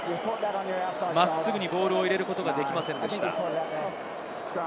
真っすぐにボールを入れることができませんでした。